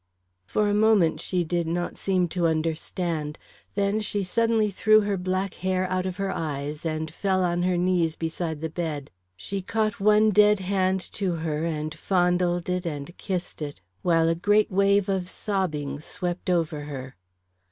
For a moment she did not seem to understand; then she suddenly threw her black hair out of her eyes and fell on her knees beside the bed. She caught one dead hand to her and fondled it and kissed it; while a great wave of sobbing swept over her.